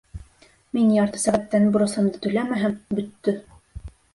Мин ярты сәғәттән бурысымды түләмәһәм, бөттө!